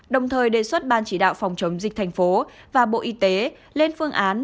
đồng thời đề xuất ban chỉ đạo phòng chống dịch thành phố và bộ y tế lên phương án